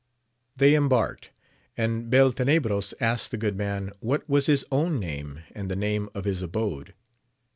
They embarked, and Beltenebros asked the good man what was his own name, and the name of his abode.